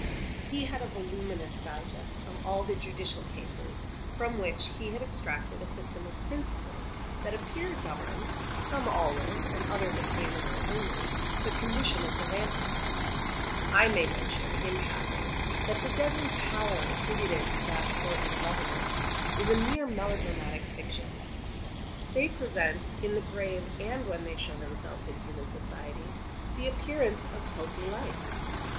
He had a voluminous digest of all the judicial cases, from which he had extracted a system of principles that appear to govern—some always, and others occasionally only—the condition of the vampire. I may mention, in passing, that the deadly pallor attributed to that sort of revenants, is a mere melodramatic fiction. They present, in the grave, and when they show themselves in human society, the appearance of healthy life.